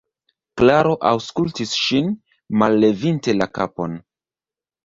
Klaro aŭskultis ŝin, mallevinte la kapon.